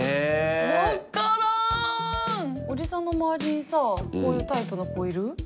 おじさんの周りにさこういうタイプの子いる？